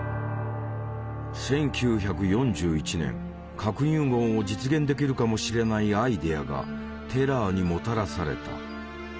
核融合を実現できるかもしれないアイデアがテラーにもたらされた。